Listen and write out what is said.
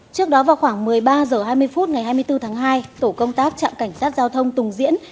trước đó vào khoảng một mươi ba h hai mươi phút ngày hai mươi bốn tháng hai tổ công tác trạm cảnh sát giao thông tùng diễn